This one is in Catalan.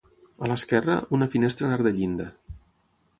A l'esquerra, una finestra en arc de llinda.